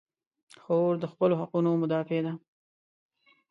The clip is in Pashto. خور د خپلو حقونو مدافع ده.